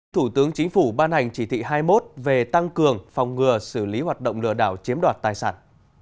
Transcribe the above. thủ tướng chính phủ ban hành chỉ thị hai mươi một về tăng cường phòng ngừa xử lý hoạt động lừa đảo chiếm đoạt tài sản